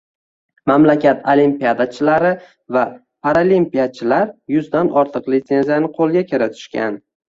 Mamlakat olimpiadachilari va paralimpiyachilar yuzdan ortiq lisenziyani qo‘lga kiritishgan.